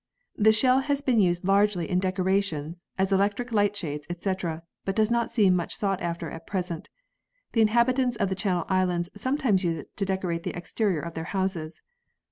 The shell has been used largely in decorations, as electric light shades, etc. but does not seem much sought after at present. The inhabitants of the Channel Islands sometimes use it to decorate the exterior of their houses.